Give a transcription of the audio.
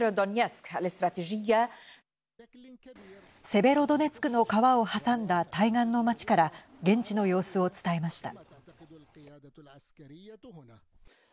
セベロドネツクの川を挟んだ対岸の町から現地の様子を伝えました。